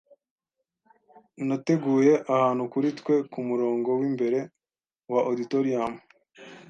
Nateguye ahantu kuri twe kumurongo wimbere wa auditorium.